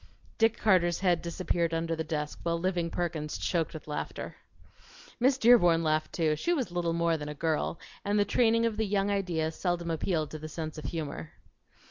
Dick Carter's head disappeared under the desk, while Living Perkins choked with laughter. Miss Dearborn laughed too; she was little more than a girl, and the training of the young idea seldom appealed to the sense of humor.